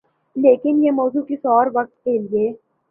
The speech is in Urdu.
لیکن یہ موضوع کسی اور وقت کے لئے۔